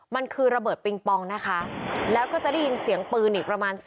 มันคือระเบิดปิงปองนะคะแล้วก็จะได้ยินเสียงปืน